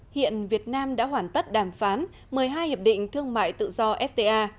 hiện việt nam đã hoàn tất đàm phán một mươi hai hiệp định thương mại tự do fta